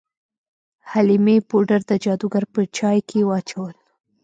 حلیمې پوډر د جادوګر په چای کې واچول.